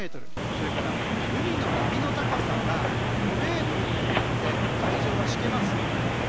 そして、海の波の高さが５ｍということで海上がしけます。